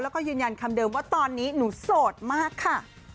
แล้วก็ยืนยันคำเดิมว่าตอนนี้หนูโสดมากค่ะ